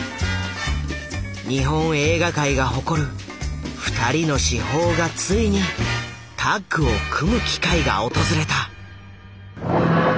日本映画界が誇る二人の至宝がついにタッグを組む機会が訪れた。